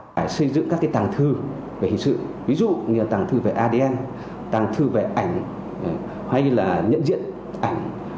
phải xây dựng các cái tàng thư về hình sự ví dụ như là tàng thư về adn tàng thư về ảnh hay là nhận diện ảnh